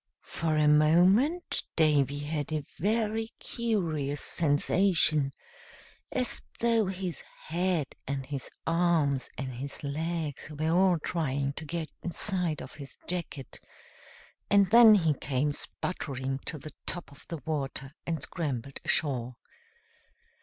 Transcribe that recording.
For a moment Davy had a very curious sensation, as though his head and his arms and his legs were all trying to get inside of his jacket, and then he came sputtering to the top of the water and scrambled ashore.